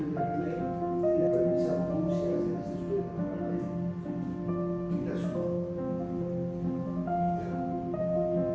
yang berbeda dengan warisan manusia yang sesuai dengan terry